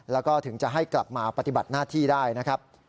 แล้วก็ถึงจะให้กลับมาปฏิบัติหน้าที่ได้นะครับ